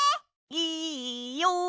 いいよ！